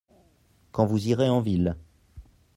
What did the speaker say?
Quand vous irez en ville.